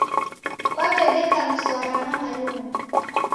Kwaw'edeka msara na Malungu?